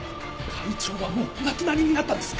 会長はもうお亡くなりになったんです。